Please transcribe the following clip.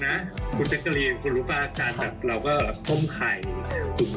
นะคุณเจสวลินทรน์คุณลูกอาจารย์แบบเราก็ต้มไข่กลุ่ม